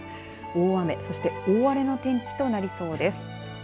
大雨、そして大荒れの天気となりそうです。